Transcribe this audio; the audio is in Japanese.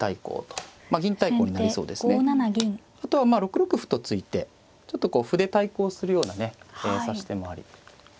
あとはまあ６六歩と突いてちょっとこう歩で対抗するようなね指し手もあり。